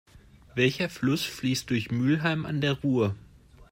Welcher Fluss fließt durch Mülheim an der Ruhr?